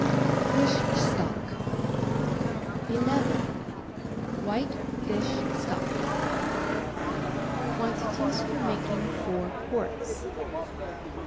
Fish Stock u— WHITE FISH STOCK Quantities for making Four Quarts.